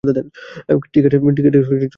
টিকেটের জন্য যাচ্ছি।